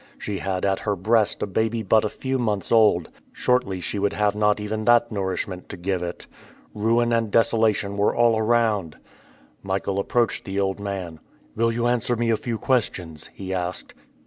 She had at her breast a baby but a few months old; shortly she would have not even that nourishment to give it. Ruin and desolation were all around! Michael approached the old man. "Will you answer me a few questions?" he asked.